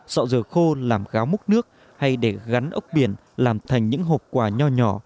sọ giờ khô làm gáo múc nước hay để gắn ốc biển làm thành những hộp quà nhỏ nhỏ